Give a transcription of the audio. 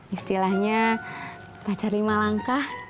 istilahnya pacar lima langkah